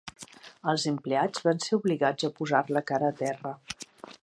Els empleats van ser obligats a posar la cara a terra.